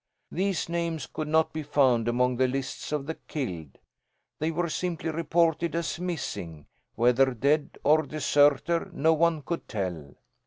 These names could not be found among the lists of the killed. They were simply reported as 'missing'; whether dead or a deserter, no one could tell.